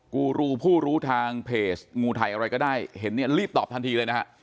กูรูผู้รู้ทางเพจงูไทยอะไรก็ได้เห็นเนี่ยรีบตอบทันทีเลยนะฮะ